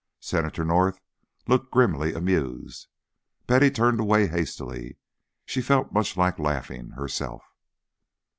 Senator North looked grimly amused. Betty turned away hastily. She felt much like laughing, herself.